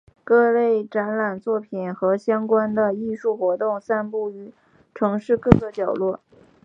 各类展览作品和相关的艺术活动散布于城市的各个角落。